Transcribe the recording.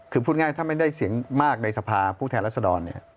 คือพูดง่ายถ้าไม่ได้เสียงมากในสภาผู้แทนรัศดรเนี่ย